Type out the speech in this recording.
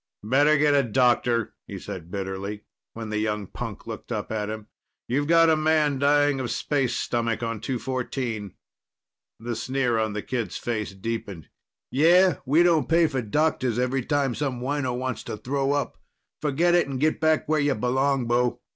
"Better get a doctor," he said bitterly, when the young punk looked up at him. "You've got a man dying of space stomach on 214." The sneer on the kid's face deepened. "Yeah? We don't pay for doctors every time some wino wants to throw up. Forget it and get back where you belong, bo."